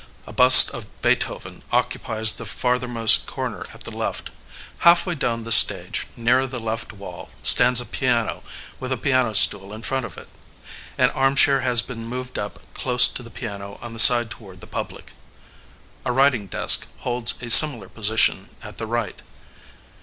A bust of Beethoven occupies the farthermost corner at the left. Halfway down the stage, nearer the left wall, stands a piano with a piano stool in front of it. An armchair has been moved up close to the piano on the side toward the public. A writing desk holds a similar position at the right.